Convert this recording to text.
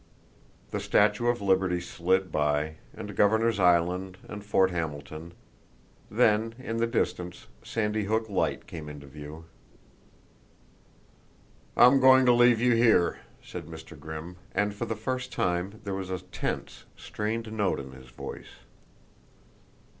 The Statue of Liberty slid by, and Governor's Island and Fort Hamilton; then, in the distance, Sandy Hook light came into view. "I'm going to leave you here," said Mr. Grimm, and for the first time there was a tense, strained note in his voice.